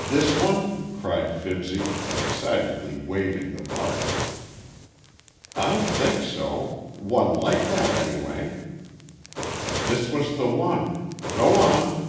"This one?" cried Fibsy, excitedly waving the Martial. "I think so—one like that, anyway." "This was the one! Go on."